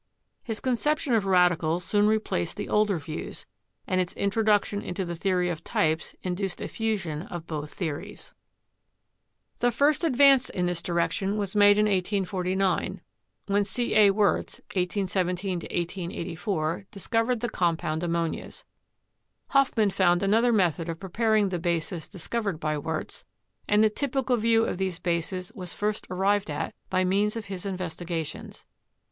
His conception of radicals soon replaced the older views, and its introduction into the theory of types induced a fusion of both theories. 236 CHEMISTRY The first advance in this direction was made in 1849, when C. A. Wurtz (1817 1884) discovered the compound ammonias. Hofmann found another method of preparing the bases discovered by Wurtz, and the "typical" view of these bases was first arrived at by means of his inves tigations.